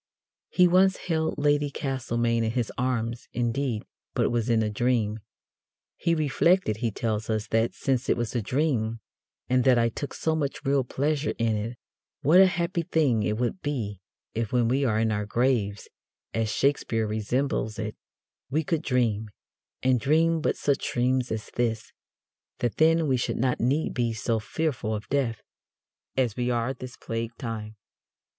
He once held Lady Castlemaine in his arms, indeed, but it was in a dream. He reflected, he tells us, that since it was a dream, and that I took so much real pleasure in it, what a happy thing it would be if when we are in our graves (as Shakespeare resembles it) we could dream, and dream but such dreams as this, that then we should not need to be so fearful of death, as we are this plague time.